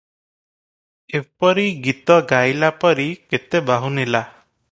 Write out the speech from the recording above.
ଏପରି ଗୀତ ଗାଇଲା ପରି କେତେ ବାହୁନିଲା ।